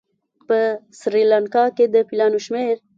په سریلانکا کې د فیلانو شمېر